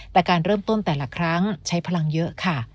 แต่การเริ่มต้นแต่ละครั้งใช้พลังเยอะค่ะ